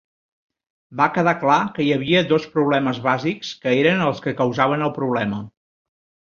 Va quedar clar que hi havia dos problemes bàsics que eren els que causaven el problema.